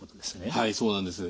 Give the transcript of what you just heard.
はいそうなんです。